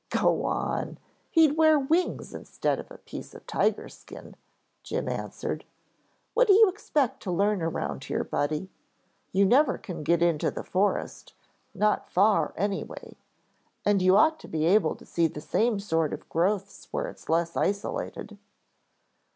"Go on, he'd wear wings instead of a piece of tiger skin," Jim answered. "What do you expect to learn around here, Buddy? You never can get into the forest, not far, anyway, and you ought to be able to see the same sort of growths where it's less isolated."